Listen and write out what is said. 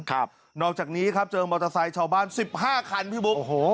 ครับนอกจากนี้ครับเจอมอเตอร์ไซค์ชาวบ้านสิบห้าคันพี่บุ๊คโอ้โห